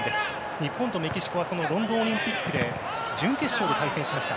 日本とメキシコはそのロンドンオリンピックの準決勝で対戦しました。